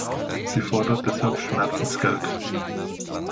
Sie fordert deshalb Schmerzensgeld.